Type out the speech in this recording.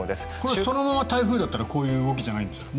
これはそのまま台風だったらこういう動きじゃないんですか？